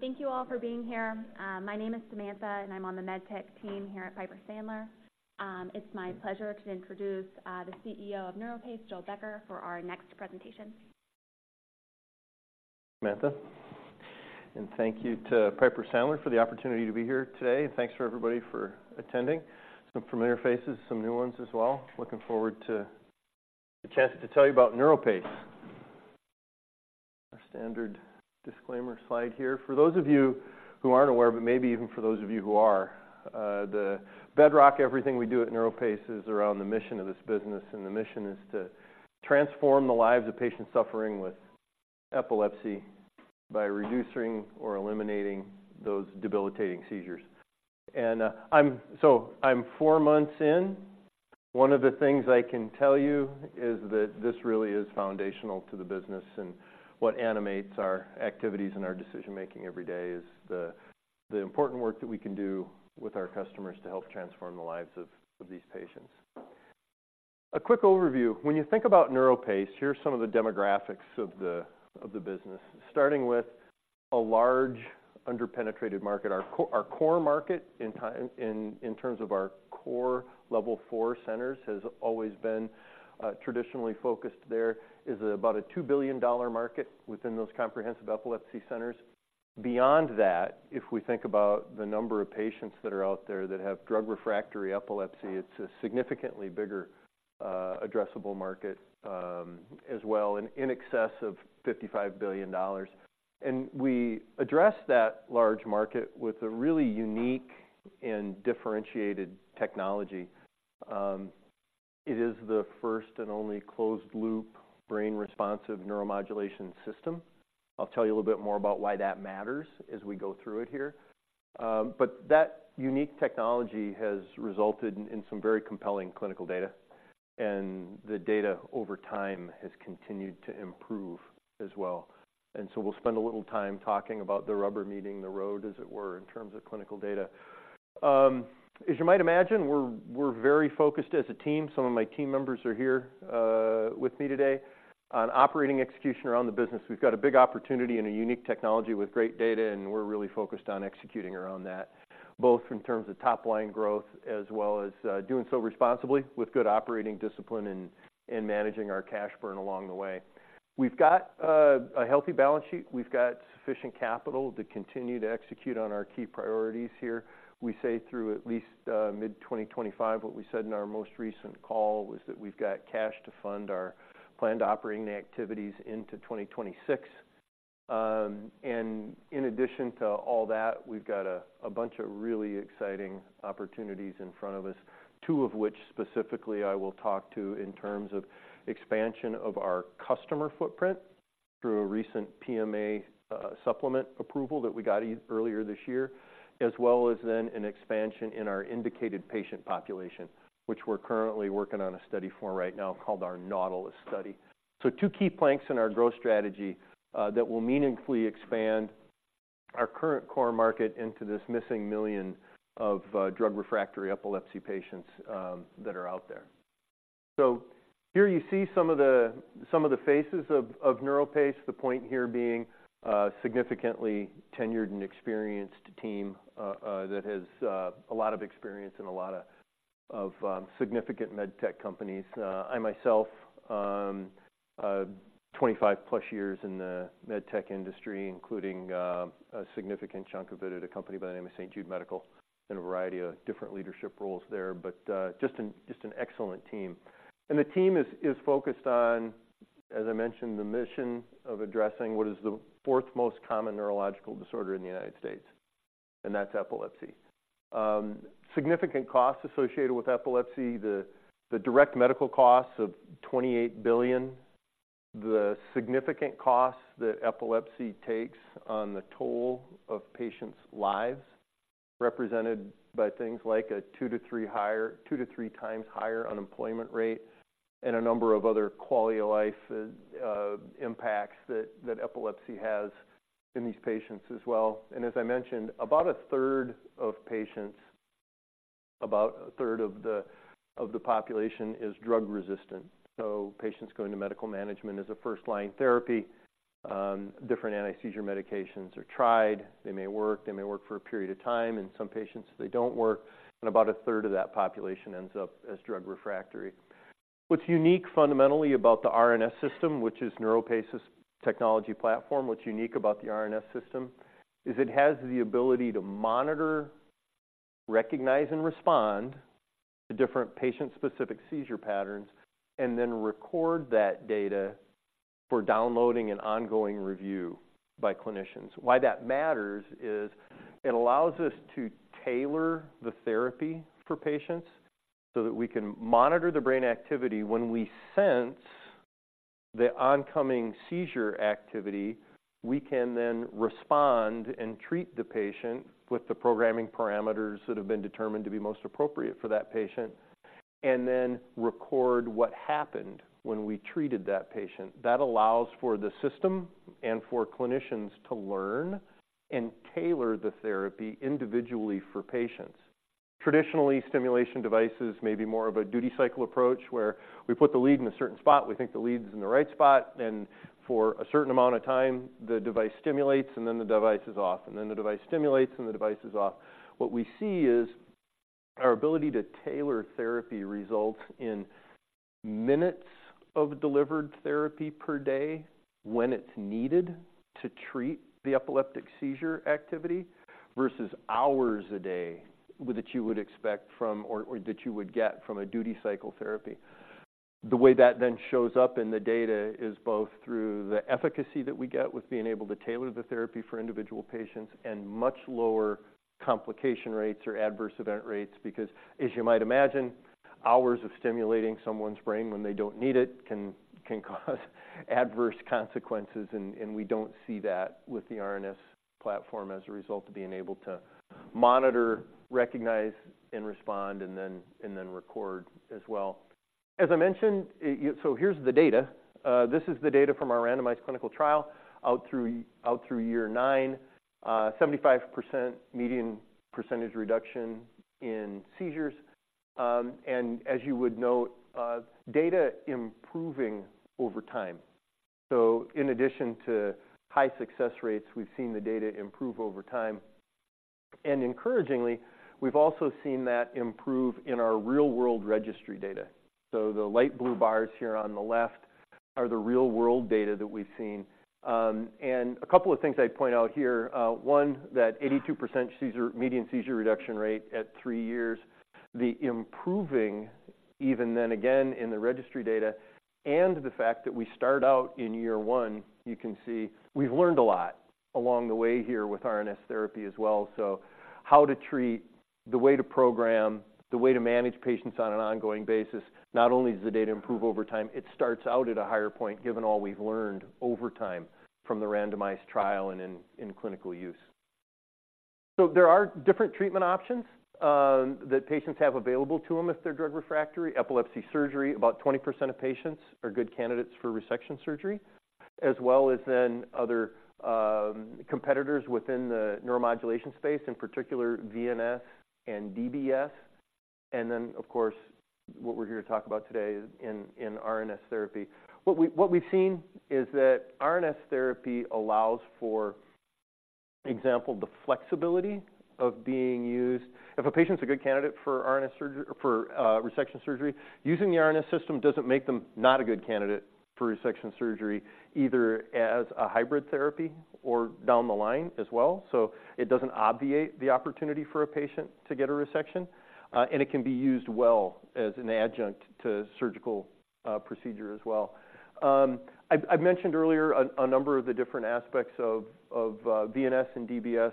Thank you all for being here. My name is Samantha, and I'm on the med tech team here at Piper Sandler. It's my pleasure to introduce the CEO of NeuroPace, Joel Becker, for our next presentation. Samantha, and thank you to Piper Sandler for the opportunity to be here today. Thanks for everybody for attending. Some familiar faces, some new ones as well. Looking forward to the chance to tell you about NeuroPace. Our standard disclaimer slide here. For those of you who aren't aware, but maybe even for those of you who are, the bedrock, everything we do at NeuroPace is around the mission of this business, and the mission is to transform the lives of patients suffering with epilepsy by reducing or eliminating those debilitating seizures. So I'm four months in. One of the things I can tell you is that this really is foundational to the business, and what animates our activities and our decision-making every day is the, the important work that we can do with our customers to help transform the lives of, of these patients. A quick overview. When you think about NeuroPace, here are some of the demographics of the, of the business, starting with a large underpenetrated market. Our core market in terms of our core Level 4 centers has always been traditionally focused there, is about a $2 billion market within those comprehensive epilepsy centers. Beyond that, if we think about the number of patients that are out there that have drug-refractory epilepsy, it's a significantly bigger addressable market, as well, in excess of $55 billion. And we address that large market with a really unique and differentiated technology. It is the first and only closed-loop brain responsive neuromodulation system. I'll tell you a little bit more about why that matters as we go through it here. But that unique technology has resulted in some very compelling clinical data, and the data over time has continued to improve as well. And so we'll spend a little time talking about the rubber meeting the road, as it were, in terms of clinical data. As you might imagine, we're very focused as a team. Some of my team members are here with me today on operating execution around the business. We've got a big opportunity and a unique technology with great data, and we're really focused on executing around that, both in terms of top-line growth as well as doing so responsibly with good operating discipline and managing our cash burn along the way. We've got a healthy balance sheet. We've got sufficient capital to continue to execute on our key priorities here. We say through at least mid-2025. What we said in our most recent call was that we've got cash to fund our planned operating activities into 2026. And in addition to all that, we've got a bunch of really exciting opportunities in front of us, two of which specifically I will talk to in terms of expansion of our customer footprint through a recent PMA supplement approval that we got earlier this year. As well as then an expansion in our indicated patient population, which we're currently working on a study for right now called our Nautilus Study. So two key planks in our growth strategy that will meaningfully expand our current core market into this missing million of drug-refractory epilepsy patients that are out there. So here you see some of the faces of NeuroPace, the point here being significantly tenured and experienced team that has a lot of experience and a lot of significant med tech companies. I myself, 25+ years in the med tech industry, including a significant chunk of it at a company by the name of St. Jude Medical in a variety of different leadership roles there. But just an excellent team. And the team is focused on, as I mentioned, the mission of addressing what is the fourth most common neurological disorder in the United States, and that's epilepsy. Significant costs associated with epilepsy, the direct medical costs of $28 billion, the significant costs that epilepsy takes on the toll of patients' lives, represented by things like a two to three times higher unemployment rate and a number of other quality of life impacts that epilepsy has in these patients as well. And as I mentioned, about a third of patients, about a third of the population is drug-resistant. So patients go into medical management as a first-line therapy. Different anti-seizure medications are tried. They may work, they may work for a period of time, and some patients, they don't work, and about a third of that population ends up as drug-refractory. What's unique fundamentally about the RNS System, which is NeuroPace's technology platform, what's unique about the RNS System is it has the ability to monitor, recognize, and respond to different patient-specific seizure patterns and then record that data for downloading and ongoing review by clinicians. Why that matters is it allows us to tailor the therapy for patients so that we can monitor the brain activity. When we sense the oncoming seizure activity, we can then respond and treat the patient with the programming parameters that have been determined to be most appropriate for that patient, and then record what happened when we treated that patient. That allows for the system and for clinicians to learn and tailor the therapy individually for patients. Traditionally, stimulation devices may be more of a duty cycle approach, where we put the lead in a certain spot, we think the lead's in the right spot, and for a certain amount of time, the device stimulates, and then the device is off, and then the device stimulates, and the device is off. What we see is our ability to tailor therapy results in minutes of delivered therapy per day when it's needed to treat the epileptic seizure activity, versus hours a day with that you would expect from or, or that you would get from a duty cycle therapy. The way that then shows up in the data is both through the efficacy that we get with being able to tailor the therapy for individual patients and much lower complication rates or adverse event rates. Because, as you might imagine, hours of stimulating someone's brain when they don't need it can cause adverse consequences, and we don't see that with the RNS platform as a result of being able to monitor, recognize, and respond, and then record as well. As I mentioned, so here's the data. This is the data from our randomized clinical trial out through year nine. 75% median percentage reduction in seizures. And as you would note, data improving over time. So in addition to high success rates, we've seen the data improve over time. And encouragingly, we've also seen that improve in our real-world registry data. So the light blue bars here on the left are the real-world data that we've seen. And a couple of things I'd point out here. One, that 82% seizure median seizure reduction rate at three years, the improving even then again in the registry data, and the fact that we start out in year one, you can see we've learned a lot along the way here with RNS therapy as well. So how to treat, the way to program, the way to manage patients on an ongoing basis. Not only does the data improve over time, it starts out at a higher point, given all we've learned over time from the randomized trial and in clinical use. So there are different treatment options that patients have available to them if they're drug-refractory. Epilepsy surgery, about 20% of patients are good candidates for resection surgery, as well as then other competitors within the neuromodulation space, in particular VNS and DBS. Then, of course, what we're here to talk about today in RNS therapy. What we've seen is that RNS therapy allows for example the flexibility of being used. If a patient's a good candidate for RNS surgery for resection surgery, using the RNS System doesn't make them not a good candidate for resection surgery, either as a hybrid therapy or down the line as well. So it doesn't obviate the opportunity for a patient to get a resection, and it can be used well as an adjunct to surgical procedure as well. I've mentioned earlier a number of the different aspects of VNS and DBS,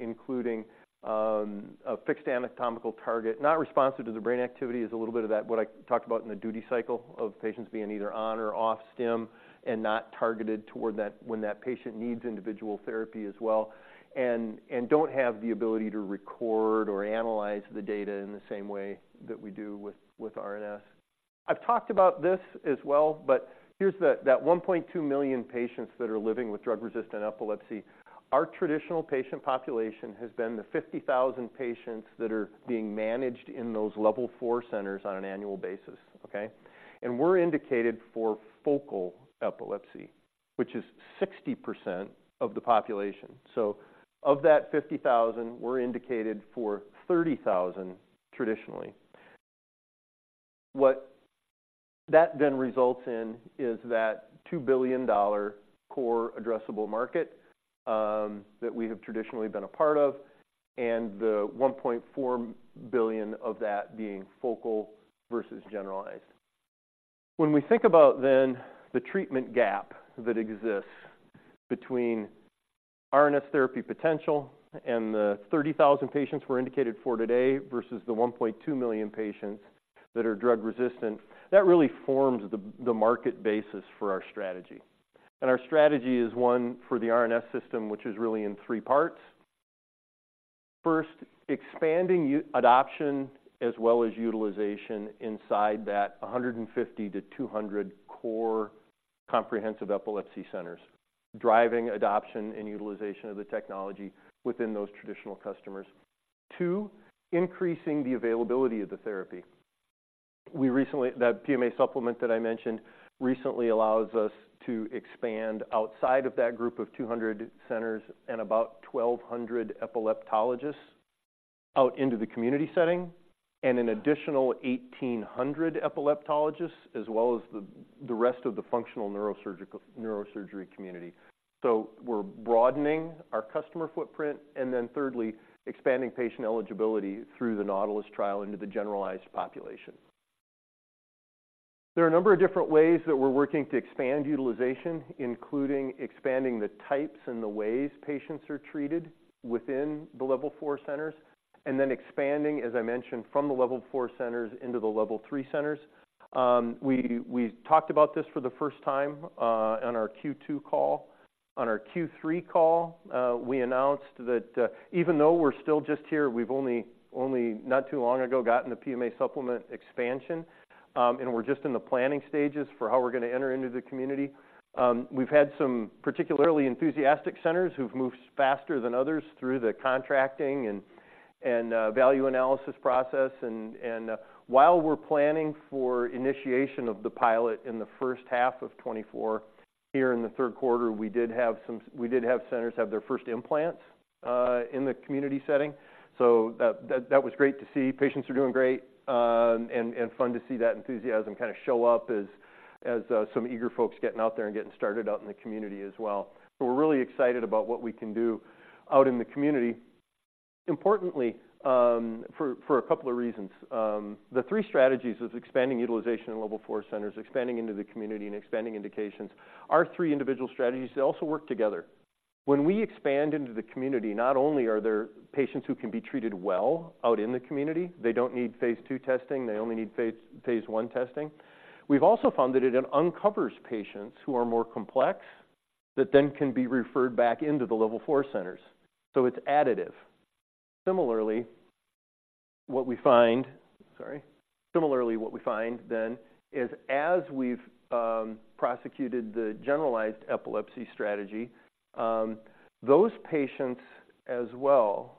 including a fixed anatomical target, not responsive to the brain activity is a little bit of that, what I talked about in the duty cycle of patients being either on or off stim and not targeted toward that when that patient needs individual therapy as well, and don't have the ability to record or analyze the data in the same way that we do with RNS. I've talked about this as well, but here's that 1.2 million patients that are living with drug-resistant epilepsy. Our traditional patient population has been the 50,000 patients that are being managed in those Level 4 centers on an annual basis, okay? We're indicated for focal epilepsy, which is 60% of the population. So of that 50,000, we're indicated for 30,000 traditionally. What that then results in is that $2 billion core addressable market that we have traditionally been a part of, and the $1.4 billion of that being focal versus generalized. When we think about then the treatment gap that exists between RNS therapy potential and the 30,000 patients we're indicated for today versus the 1.2 million patients that are drug-resistant, that really forms the market basis for our strategy. And our strategy is one for the RNS System, which is really in three parts. First, expanding adoption as well as utilization inside that 150 to 200 core comprehensive epilepsy centers, driving adoption and utilization of the technology within those traditional customers. Two, increasing the availability of the therapy. That PMA supplement that I mentioned recently allows us to expand outside of that group of 200 centers and about 1,200 epileptologists out into the community setting, and an additional 1,800 epileptologists, as well as the rest of the functional neurosurgery community. So we're broadening our customer footprint. And then thirdly, expanding patient eligibility through the Nautilus trial into the generalized population. There are a number of different ways that we're working to expand utilization, including expanding the types and the ways patients are treated within the Level 4 centers, and then expanding, as I mentioned, from the Level 4 centers into the Level 3 centers. We talked about this for the first time on our Q2 call. On our Q3 call, we announced that, even though we're still just here, we've only not too long ago gotten the PMA supplement expansion, and we're just in the planning stages for how we're gonna enter into the community. We've had some particularly enthusiastic centers who've moved faster than others through the contracting and value analysis process. And while we're planning for initiation of the pilot in the first half of 2024, here in the third quarter, we did have centers have their first implants in the community setting. So that was great to see. Patients are doing great, and fun to see that enthusiasm kinda show up as some eager folks getting out there and getting started out in the community as well. So we're really excited about what we can do out in the community. Importantly, for a couple of reasons. The three strategies is expanding utilization in Level 4 centers, expanding into the community, and expanding indications. Our three individual strategies, they also work together. When we expand into the community, not only are there patients who can be treated well out in the community, they don't need Phase II testing, they only need Phase I testing. We've also found that it uncovers patients who are more complex, that then can be referred back into the Level 4 centers, so it's additive. Similarly, what we find then is, as we've prosecuted the generalized epilepsy strategy, those patients as well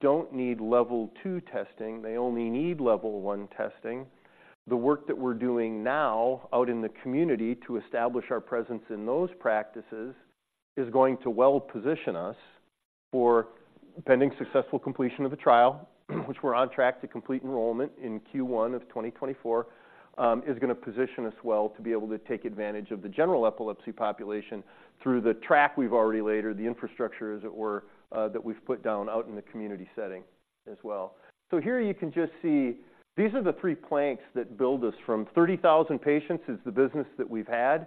don't need Level 2 testing, they only need Level 1 testing. The work that we're doing now out in the community to establish our presence in those practices, is going to well position us for pending successful completion of the trial, which we're on track to complete enrollment in Q1 of 2024. Is gonna position us well to be able to take advantage of the general epilepsy population through the track we've already laid, or the infrastructure, as it were, that we've put down out in the community setting as well. So here you can just see, these are the three planks that build us from 30,000 patients, is the business that we've had,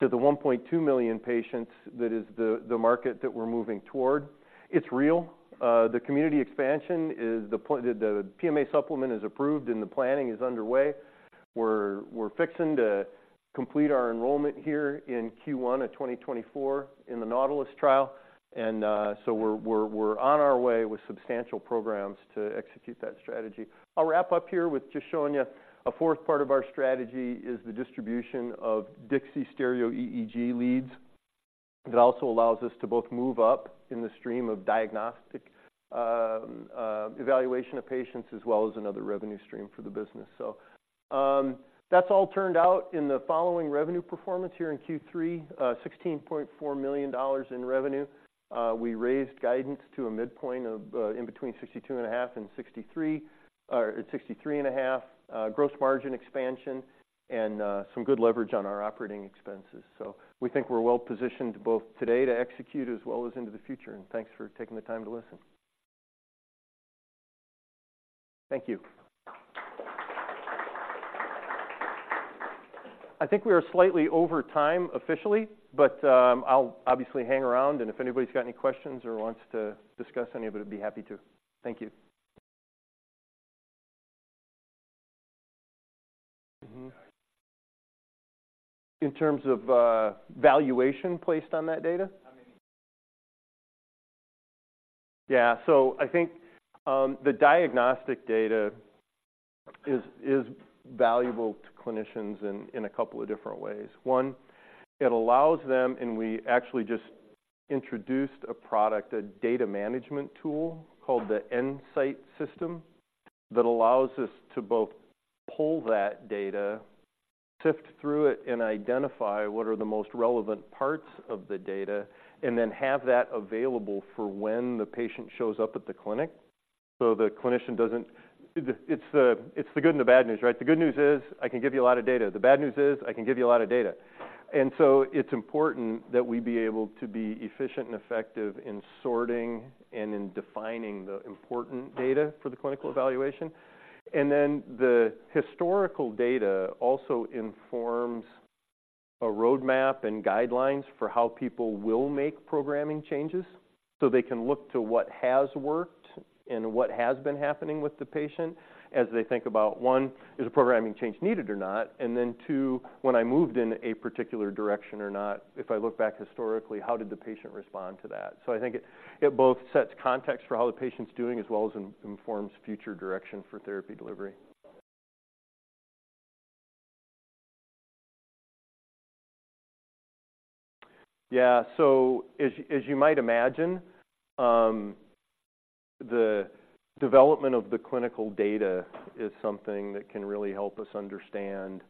to the 1.2 million patients, that is the market that we're moving toward. It's real. The community expansion is the point, the PMA supplement is approved, and the planning is underway. We're fixing to complete our enrollment here in Q1 of 2024 in the Nautilus trial, and so we're on our way with substantial programs to execute that strategy. I'll wrap up here with just showing you a fourth part of our strategy is the distribution of DIXI stereo EEG leads. That also allows us to both move up in the stream of diagnostic evaluation of patients, as well as another revenue stream for the business. So, that's all turned out in the following revenue performance here in Q3, $16.4 million in revenue. We raised guidance to a midpoint of in between $62.5 and $63, $63.5, gross margin expansion, and some good leverage on our operating expenses. So we think we're well positioned both today to execute as well as into the future. And thanks for taking the time to listen. Thank you. I think we are slightly over time officially, but I'll obviously hang around and if anybody's got any questions or wants to discuss any, I would be happy to. Thank you. Mm-hmm. In terms of, valuation placed on that data? I mean. Yeah. So I think, the diagnostic data is valuable to clinicians in a couple of different ways. One, it allows them. And we actually just introduced a product, a data management tool called the nSight System, that allows us to both pull that data, sift through it, and identify what are the most relevant parts of the data, and then have that available for when the patient shows up at the clinic, so the clinician doesn't. It's the good and the bad news, right? The good news is, I can give you a lot of data. The bad news is, I can give you a lot of data. And so it's important that we be able to be efficient and effective in sorting and in defining the important data for the clinical evaluation. Then the historical data also informs a roadmap and guidelines for how people will make programming changes. They can look to what has worked and what has been happening with the patient as they think about, one, is a programming change needed or not? Then, two, when I moved in a particular direction or not, if I look back historically, how did the patient respond to that? I think it, it both sets context for how the patient's doing, as well as informs future direction for therapy delivery. Yeah. As you might imagine, the development of the clinical data is something that can really help us understand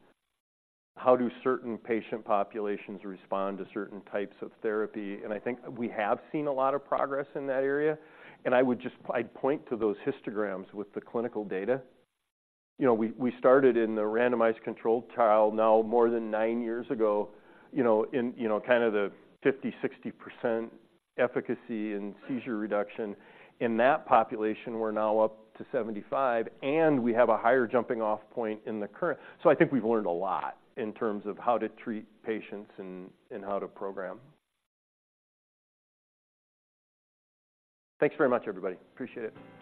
how do certain patient populations respond to certain types of therapy. And I think we have seen a lot of progress in that area, and I would just. I'd point to those histograms with the clinical data. You know, we started in the randomized controlled trial, now more than nine years ago, you know, in, you know, kind of the 50% to 60% efficacy and seizure reduction. In that population, we're now up to 75%, and we have a higher jumping-off point in the current. So I think we've learned a lot in terms of how to treat patients and how to program. Thanks very much, everybody. Appreciate it.